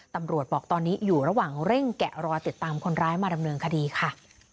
ตำรวจบอกตอนนี้อยู่ระหว่างเร่งแกะรอยติดตามคนร้ายมาดำเนินคดีค่ะ